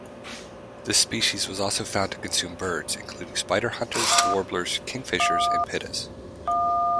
This species was also found to consume birds, including: spiderhunters, warblers, kingfishers, and pittas.